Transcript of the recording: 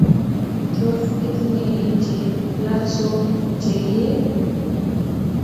Tos, itinye kiiy che lalsoot chegiie?